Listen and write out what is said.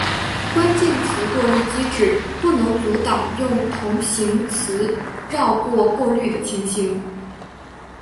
关键词过滤机制不能阻挡用同形词绕过过滤的情形。